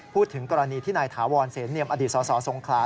พูดถึงกรณีที่นายถาวรเสนเนียมอดีตสสงขลา